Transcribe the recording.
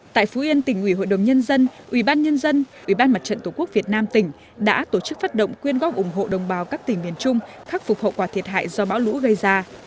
tại phú yên tỉnh ủy hội đồng nhân dân ủy ban nhân dân ủy ban mặt trận tổ quốc việt nam tỉnh đã tổ chức phát động quyên góp ủng hộ đồng bào các tỉnh miền trung khắc phục hậu quả thiệt hại do bão lũ gây ra